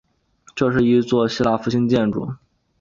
这是一座希腊复兴建筑。